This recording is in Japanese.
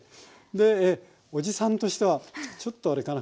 でおじさんとしてはちょっとあれかな